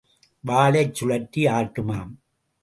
வாலைச் சுழற்றி ஆட்டுமாம்.